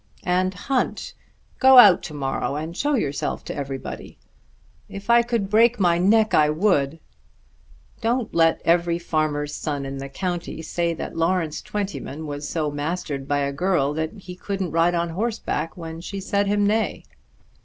"And hunt. Go out to morrow and show yourself to everybody." "If I could break my neck I would." "Don't let every farmer's son in the county say that Lawrence Twentyman was so mastered by a girl that he couldn't ride on horseback when she said him nay."